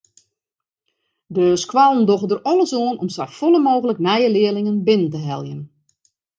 De skoallen dogge der alles oan om safolle mooglik nije learlingen binnen te heljen.